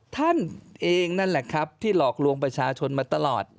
ท่านเองนั่นแหละครับที่หลอกลวงประชาชนมาตลอด